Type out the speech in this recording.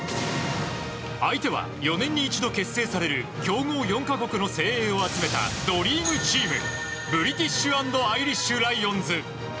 相手は４年に一度結成される強豪４か国の精鋭を集めたドリームチームブリティッシュ＆アイリッシュ・ライオンズ。